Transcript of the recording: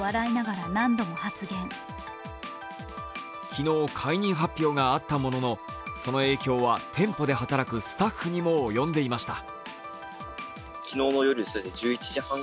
昨日、解任発表があったものの、その影響は店舗で働くスタッフにも及んでいました。